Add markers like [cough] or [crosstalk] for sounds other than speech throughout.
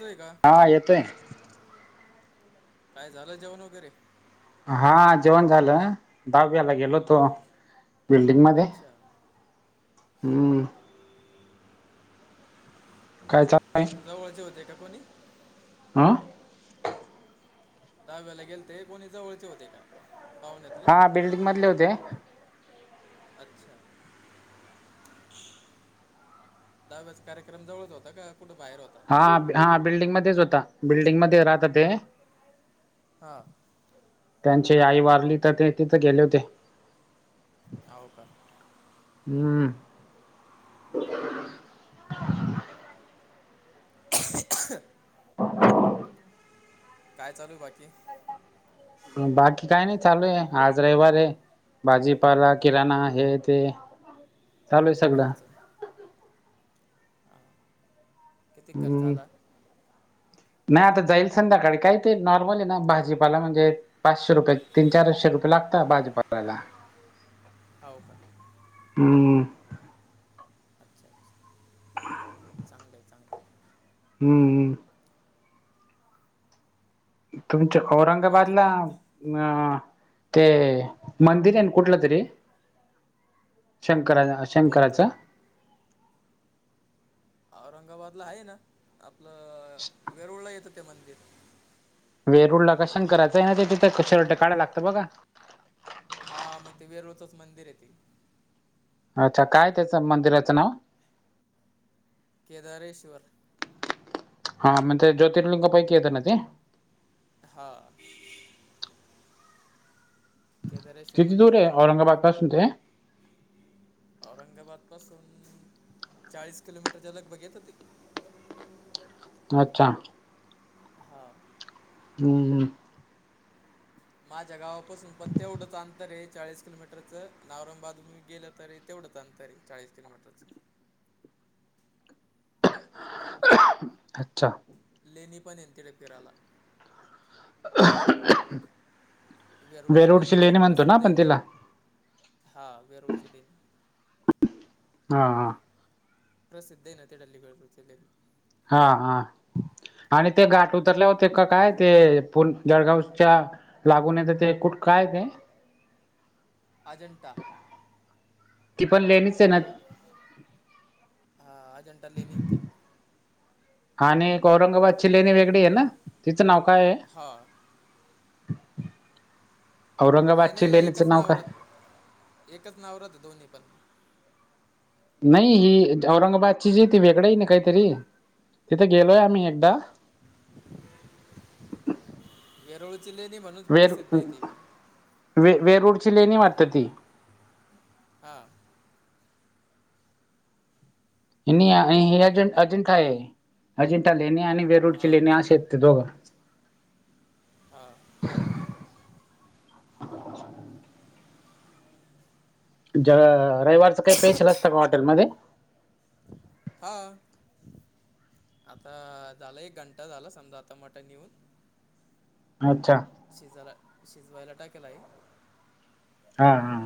का हा येतोय काय झालं जेवण वगैरे? हा जेवण झालं ताक प्यायला गेलो तो हो बिल्डिंग मध्ये अच्छा हो हम्म. का काय चालय कोण जवळचे होते का कोणी. ह [unintelligible] दहाव्याला गेल ते कोणी जवळचे होते, का पाहुण्यात ले. हा बिल्डिंग मधले होते अच्छा. दहाव्यास कार्यक्रम जवळच होता का कुठे बाहेर होता? हा हा बिल्डिंग मध्येच होता बिल्डिंग मध्ये राहता ते हां. त्यांची आई वारली तर ते तिथं गेले होते. हाव का? हम्म. [unintelligible] [inaudible] काय चालूय बाकी? बाकी काय नाही चालूय आज रविवार आहे. भाजीपाला किराणा हे ते चालू आहे सगळं. घरचं हां किती खर्च हम्म आला? नाही आता जाईल संध्याकाळी काही ते नॉर्मल आहे ना. भाजीपाला म्हणजे, पाचशे रुपये तीन चारशे रुपये लागतं भाजी पाल्याला. हौ का. हम् अच्छा अच्छा, चांगलं ये चांगलं ये. हम्म हम्म. तुमच्या बाकी औरंगाबादला. हा ते मंदिर आहे ना कुठलं तरी. शंकरा- शंकराच. कोणतं औरंगाबादला आहे ना आपलं वेरुळला येतं ते मंदिर. वेरुडला का शंकराचा आहे ना ते तथं शर्ट काढायला लागतात बघा. हा मंग ते वेरूळच्या मंदिर आहे ते. अच्छा काय त्याचं मंदिराचं नाव. केदारेश्वर. हा मग ते ज्योतर्लिंग पैकी येत ना ते? हा. केदारेश्वर किती दूर आहे औरंगाबाद पासून ते? औरंगाबाद पासून चाळीस किलोमीटर लगबग येत ते. अच्छा. हा. हम्म हम्म. माझ्या गावापासून पण तेवढंच अंतर आहे चाळीस किलोमीटरचं. औरंगाबाद मी गेलं तरी तेवढंचंं अंतरे चाळीस किलोमीटरचं. अच्छा! लेनी पण ये तडे फिराला. [unintelligible] वेरुळचे लेणी वेरूळची जे म्हणतो प्रसिद्ध आहे आपण ना, तिला हा वेरुळ लेणी. हा हा हा. प्रसिद्ध आहे ना तेडली जलली. हा हा. आणि ते गाठ उतरले होते का काय ते पु जळगावच्या. लागून येत ते कूठ काय ते. अजंठा. ती पण लेणीच आहे ना. हा अजंठा लेणी आणि ते आणि एक औरंगाबादची लेणी वेगळी आहे ना, तिचं नाव काय आहे? हा. औरंगाबाद च्या लेण्याला लेणीचं एकच नाव काय? नावरत एकच नावरात दोन्ही पण. नाही ही औरंगाबादची जी ती वेगळंही नाही काहीतरी तिथे गेलोय आम्ही एकदा. वेरूळचे लेणे म्हणून वेर प्रसिद्ध आहे ते बी. वे- वेरूरची लेणी वाटत ती. हा. हे अजं -अजिंठा आहे अजिंठा लेणे आणि वेरुळची हां लेणे असे आहेत ते दोघं. हा. ज रविवारचं काही स्पेशल असतं का हॉटेलमध्ये? हा. आता झालं एक घंटा झाला समजा आता मटण येऊन. अच्छा. शिजवाला शिजवायला टाकेला आहे. हा हा.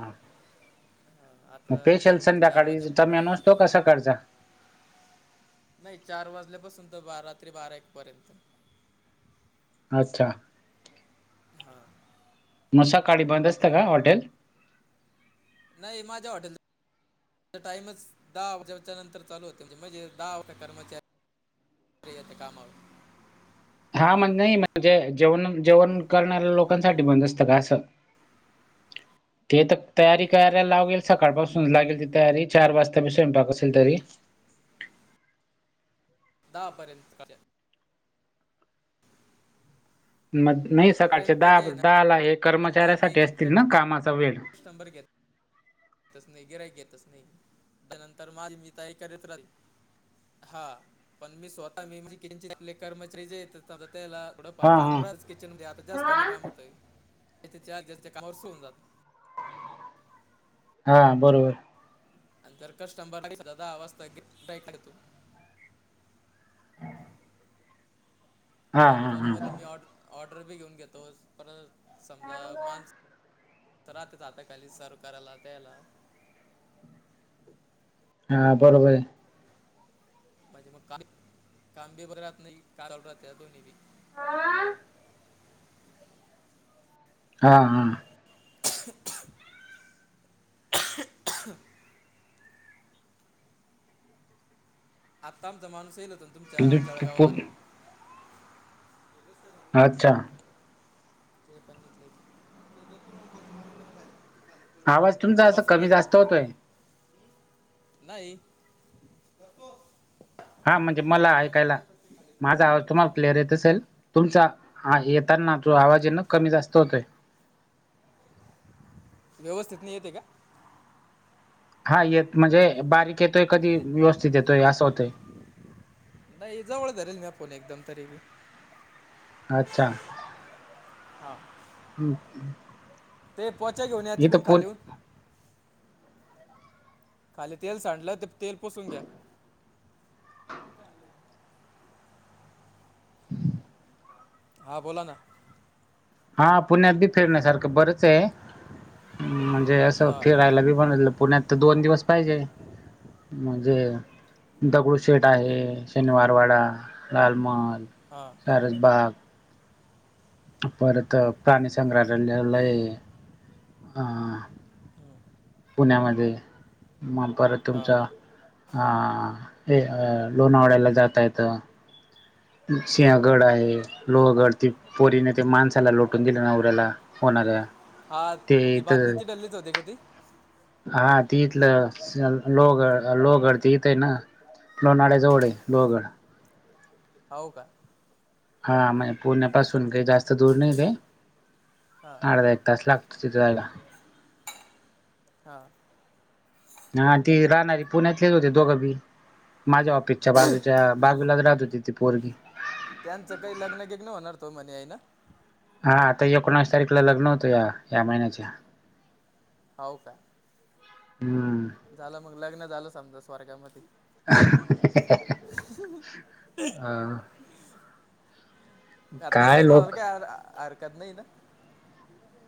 हां मग आता पेशल जवळपास चार वाजे संध्याकाळीच चा म्यानू असतो का सकाळचा. नाही चार वाजल्यापासून, तर बा रात्री बारा एक पर्यंत. अच्छा. हा. मग सकाळी बंद असतं का हॉटेल? नाही माझ्या हॉटेल ताईनच दहा वाजेच्या नंतर चालू होते म्हणजे दहा [unintelligible] कर्मचारी गेलं ते कामावर. हा म्हणजे नाही म्हणजे जेवण जेवण करणाऱ्या लोकांसाठी मग नसतं का असं. [inaudible] ते तर तयारी करायला लागेल. सकाळपासून लागेल ती तयारी चार वाजता बी स्वयंपाक असेल तरी. दहा पर्यंत सकाळचा. नाही नाही सकाळचे पर्यंत दहा जे आहे दहाला हे कर्मचाऱ्यासाठी असतील ना कामाचा वेळ? शंभर घेत येतंच नाही गिरायक येतच नाही, त्यानंतर माझी मी तयारी करीत राहिल. हा पण मी स्वतः मी [unintelligible] आपले कर्मचारी जे येत न्हवते त्याला. थोडं फार हा काम हा राहिल किचनमध्ये आता जास्त कमी काम होतंय. [unintelligible] हा बरोबर. आणि तर कस्टंबर आवाज [unintelligible] हा चालू हा हा चालूमध्ये मी ऑर्ड-ऑर्डर बी घेऊन घेतो, पर समजा मानस तर राहताच आता खाली सर्व करातला त्यायला. हा बरोबर ये. म्हणजे मग काम काम बी बरे राहत नाही, चालू राहते दोन्ही बी. हा हा. [inaudible] आता आमचा माणूस येईल होता तुमच्या म्हणजे पु पु जळगावला. अच्छा. [unintelligible] आवाज तुमचा असं मसाले कमी जास्त होतोय. नाही. हा म्हणजे मला ऐकायला. माझा आवाज तुम्हाला क्लिअर येत असेल? तुमचा हा येताना जो आवाज आहे ना कमी जास्त होतोय. व्यवस्थित नाही येत आहे का? हा येत म्हणजे बारीक येतोय कधी, व्यवस्थित येतोय असं होतय. नाही जवळ धरेल हा फोन एकदम तरी बी. अच्छा. हा. हम् [unintelligible] ते पोचा घेऊन या तिकडुन खालीहुन. खाली तेल सांडलं तर तेल पुसून घ्या. [unintelligible] हा बोला ना. हा पुण्यात बी फिरण्यासारखं बरंच आहे म्हणजे असं हां फिरायला बी [unintelligible] पुण्यात तर दोन दिवस पाहिजे. म्हणजे दगडूशेठ आहे, शनिवारवाडा, लाल महल. हां. सारसबाग परत प्राणी संग्रहालयला हा. हां पुण्यामध्ये मग परत हा तुमचा ह हे अ लोणावळ्याला जाता येत. सिंहगड आहे लोहगड पोरीने ते माणसाला लोटून दिलं नवऱ्याला होणाऱ्या हा ते ती इथ बातमी ती तिथलीच होती का ती? हा ते इथलं लोहगड लोहगड ते इथ आहे न. लोणावळ्याजवळ आहे लोहगड. हौ का? ह म्हणजे पुण्यापासून काही जास्त ते दूर नाही ते हां अर्धा एक तास लागतो तिथे जायला. हा. हा ती राहणारी पुण्यातलेच होते दोघं बी माझ्या पिच्या बाजूच्या बाजूलाच राहत होती ती पोरगी. त्यांचं काही लग्न बिग्न होणार तो म्हणे हाई न? हा आता एकोणीस तारखेला लग्न होतं या या महिन्याच्या. हाऊ काय? हम्म. झालं मग लग्न झालं समजा स्वर्गामध्ये. [unintelligible] अ आ काय तसच म्हणाला लोक काय हरकत नाही न?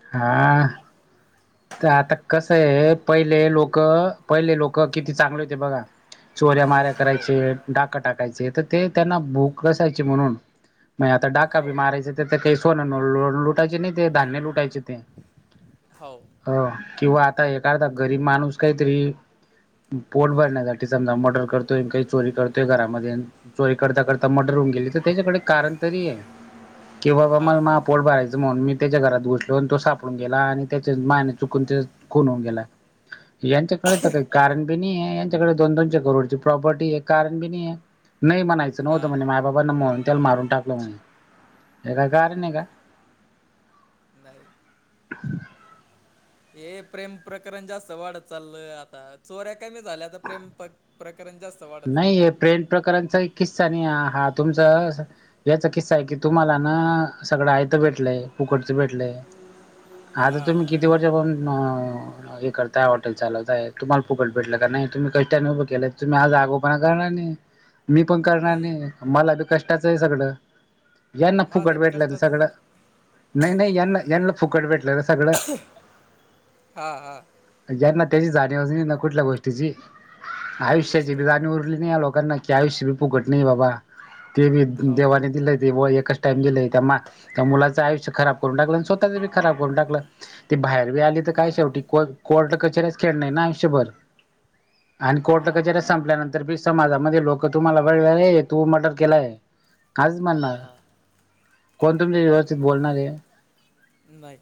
हा. तर आता कस आहे पहिले लोक पहिले लोक किती चांगले होते बघा. चोऱ्या माऱ्या हो करायचे. डाका टाकायचे तर ते त्यांना भूक असायची म्हणून मग आता डाका हो बी मारायच तिथ काही सोन लुटायचे नाही ते धान्य लुटायचे. ते हो. हो किंवा आता एखादा गरीब माणूस काहीतरी पोट भरण्यासाठी समजा मर्डर करतोय काही चोरी करतोय घरामध्ये चोरी करता करता मर्डर होऊन गेली तर त्याच्याकडे कारण तरी आहे. किं बाबा हां मला माझ पोट भरायचं म्हणून मी त्याच्या घरात घुसल [unintelligible] तो सापडून गेला आणि त्याच्या माने चुकून खून होऊन गेला. यांच्याकडे तर काही कारण बी नाहीये. कड दोन दोने करोडची प्रॉपर्टीये कारण बी नाहीये नाही म्हणायच नव्हतं हां म्हणजे माय बाबांना म्हणून त्याला मारून टाकलं म्हणज हे काय कारण आहे का? नाही. [unintelligible] ए प्रेम प्रकरण जास्त वाढत चाललंय आता चोऱ्या कमी झाल्या आता प्रेम प्र प्रकरण जास्त वाढत नाहीय चाललं प्रेम प्रकरणाचा किस्सा नाही हा तुमचा याचा किस्सा आहे की तुम्हाला ना सगळं आयतं भेटलंय फुकटचं भेटलंय. आता तुम्ही हा किती वर्षापण हे करताय हॉटल चालवताय तुम्हाला पुुकट भेट का नाही तुम्ही क केले तुम् आज [unintelligible] [unintelligible] पण करणार नाही मी पण करणार नाही मला बी कष्टाचं आहे सगळं. यांना फुकट माझं बी भेटलं ना कष्टाचं सगळं दिन नाही नाही यांना यांना फुकट भेटलं सगळं. हा हा. ज्यांना त्याची जाणीवच नाही कुठल्या गोष्टीची खरी आयुष्याची गोष्ट बी आहे जाणीव उरली नाही लोकांना की आयुष्य बी फुकट नाही बाबा ते बी हो देवा दिले एका त्या त्या मुलाचं आयुष्य खराब करून टाकलं आणि स्वतःची बी खराब करून टाकलं ती बाहेर बी आली तर काय मग शेवटी को-कोर्ट कचेऱ्याचं खेळणे ना आयुष्यभर. आणि कोर्ट हा कचेऱ्या संपल्यानंतर बी समाजामध्ये लोकं तुम्हाला [unintelligible] तु मर्डर केलाय. आजच म्हणणार हा कोण तुमच्या व्यवस्थित बोलणार आहे? नाही.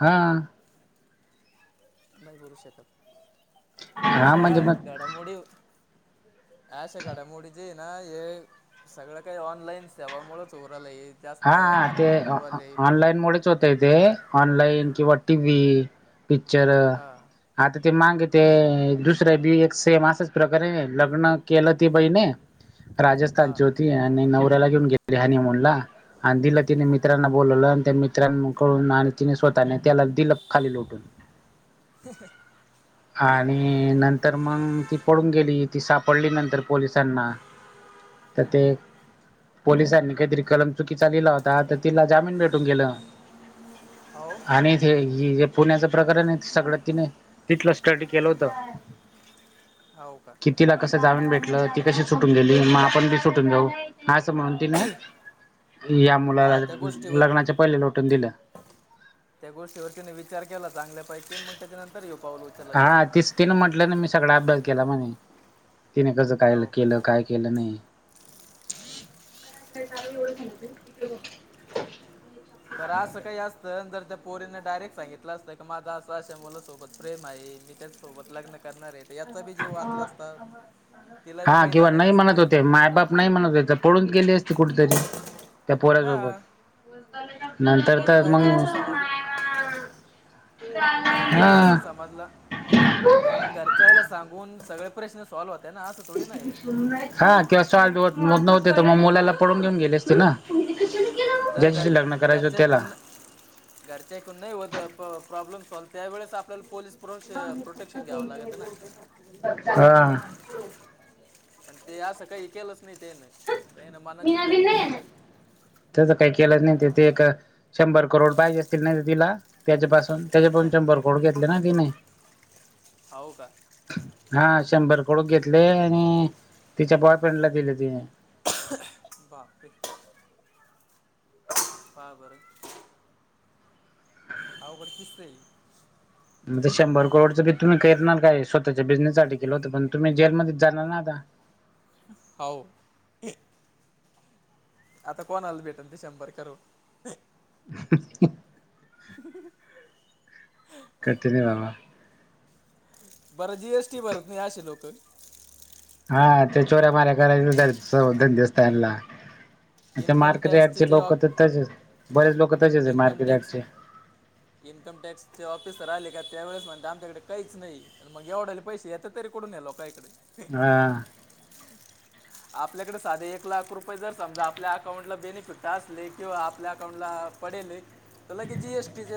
हा. नाही बोलू शकत हा अशा म्हणजे मग घडामोडी अशा घडामोडी जे आहे ना हे सगळं काही ऑनलाईन सेवामुळचं होऊ राहिलं हे जास्त हा हा ते ॲप खोलू आले ऑ-ऑ-ऑनलाईन मुळेच होता य ते ऑनलाईन किंवा टीव्ही, पिक्चर हा आता ते मागे ते दुसऱ्या बी एक सेम असंच प्रकरण आहे लग्न केलं ते बाईने [inaudible] हा राजस्थानची होती आणि नवऱ्याला घेऊन गेली हनीमुनला आणि दिला तिने मित्रांना बोलवलं आणि त्या मित्रांकडून आणि तिने स्वतःने त्याला दिलं खाली लोटून आणि नंतर मग ती पळुन गेली ती सापडली नंतर पोलिसांना तर ते पोलिसांनी काहीतरी कलम चुकीचा लिहिला होता तर तिला जामीन भेटून गेलं हो आणि ते ही हे पुण्याचं प्रकारण आहे ते सगळं तिने तिथलं स्टडी केलं होतं. हाव का. कि तिला कसं जामीन भेटलं ती कशी सुटून गेली मग आपण बी सुटून जाऊ असं म्हणून तिनं या मुलाला हा त्या गोष्टीवर लग्नाच्या पहिले लोटून दिलं. त्या गोष्टीवरतीने विचार केला चांगल्यापैकी त्याच्या नंतर येऊ पावल उच हा तिच तिनं म्हंटलं ना मी सगळा अभ्यास केला म्हणे तिने कसं काय हो का केलं काय केलं नाही. बर असं काही असत जर त्या पोरीनने डायरेक्ट सांगितलं असतं माझा असं अशा मुलासोबत प्रेम आहे मी त्याच सोबत लग्न करणार आहे याचा बी जे वाचला असता तिला बी हा काही किंवा झालं नाही म्हणत नसतं होते माय बाप नाही म्हणत होते तर पळून गेली असती कुठेतरी. त्या हां पोऱ्यासोबत ते नंतर पळून तर जायचं मंग विषय समजला ते पळून जायचं विषय हा समजला पण मग घर [unintelligible] सांगून सगळे प्रश्न सॉल्व्ह हो [unintelligible] हा त्या [unintelligible] तर मग मुलाला पळून घेऊन गेले असते ना. जर घर ज्याच्याशी लग्न [unintelligible] करायचं होत त्याला घरचे ऐकून नाही होतं अ पॉ-प्रॉब्लेम सॉल्व्ह त्यावेळेस आपल्याला पोलीस प्रोश-प्रोटेक्शन घ्यावं लागतं ना. हां. पण ते असं काही केलंच नाही तेने ते ना मनाचीच. [unintelligible] त्याचं काही केलंच नाही तिथे एक शंभर करोड पाहिजे असतील ना तिला. त्याच्यापासून त्याच्यापण शंभर करोड घेतले ना तिने. हाव का. हा शंभर कुडू घेतले आणि तिच्या बॉयफ्रेंडला दिले तिने. बापे [unintelligible] पहा बरं अवघडचं दिसतंय हे. म ते शंभर करोडचं बी तुम्ही करणार काय स्वतःच्या बिझनेससाठी केलं होतं पण तुम्ही जेलमध्ये जाणार ना आता. हाव आता कोणले भेटेन ते शंभर करून. [unintelligible] [unintelligible] करते नाही बाबा बरं जी एस टी भरत नाही असे लोक. हा ते चोऱ्या मार्या करायच सव धंदेच त्यांला. इन्कम मार्केट टॅक्सचे यार्डचे जे लोक ऑफ तर तसेच बरेच लोक तसेच आहे इन्कम मार्केट टॅक्स यार्डचे. इन्कम टॅक्सचे ऑफिसर आले का त्यावेेळेस म्हणत आमच्याकडे काहीच नाही. तर मग एवढ्याले पैशे येत तरी कुडून ये लोका इकडे. हा. आपल्याकडे साधे एक लाख रुपये जर समजा आपल्या. अकाउंट ला बेनिफिट असले किंवा आपल्या अकाउंटला पडेले तर लगेच जी एस टी चे